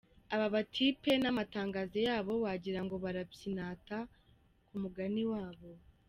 Aba batipe n’amatangazo yabo wagirango barapyinata ku mugani wabo.